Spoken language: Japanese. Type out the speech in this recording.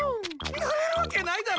なれるわけないだろ！